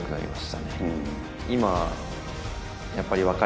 今。